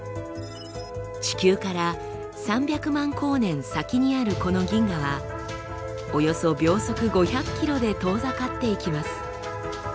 地球から３００万光年先にあるこの銀河はおよそ秒速５００ｋｍで遠ざかっていきます。